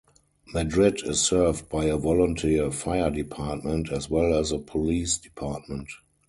Madrid is served by a volunteer fire department, as well as a police department.